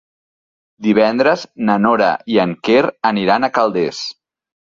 Divendres na Nora i en Quer aniran a Calders.